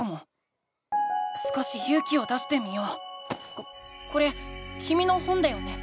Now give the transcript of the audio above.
ここれきみの本だよね？